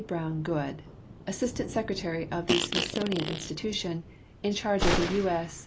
Broavn Goode, Assistant Secretary of the Smithsonian Institution, in Charge of the U. S.